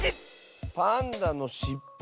パンダのしっぽ？